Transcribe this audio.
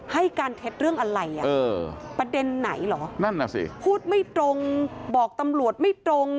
ให้การเท็จเรื่องอะไรประเด็นไหนหรอพูดไม่ตรงบอกตำรวจไม่ตรง